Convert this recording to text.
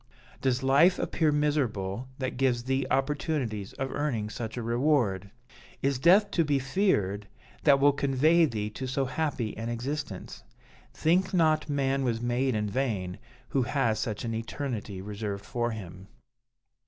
Does life appear miserable, that gives thee opportunities of earning such a reward? Is death to be feared, that will convey thee to so happy an existence? Think not man was made in vain, who has such an eternity reserved for him.'